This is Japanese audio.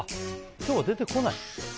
今日は出てこない？